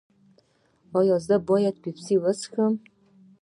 ایا زه باید پیپسي وڅښم؟